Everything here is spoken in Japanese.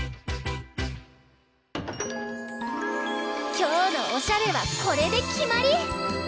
きょうのおしゃれはこれできまり！